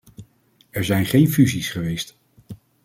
Er zijn geen fusies geweest.